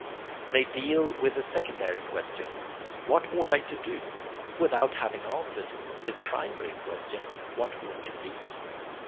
They deal with the secondary question What ought I to do? without having answered the primary question, What ought to be?